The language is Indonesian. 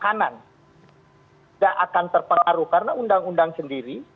karena kanan tidak akan terpengaruh karena undang undang sendiri